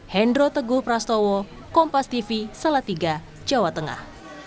hendro teguh prastowo kompas tv salatiga jawa tengah